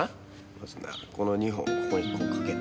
まずなこの２本をここにこうかけてそうそう。